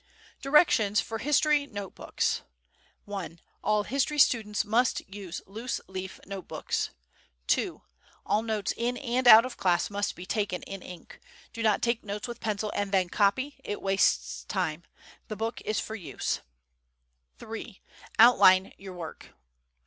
Directions for History Note Books. I. All history students must use loose leaf note books. II. All notes in and out of class must be taken in ink. Do not take notes with pencil and then copy it wastes time! The book is for use. III. Outline your work.